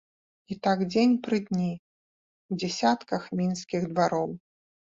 І так дзень пры дні, у дзясятках мінскіх двароў.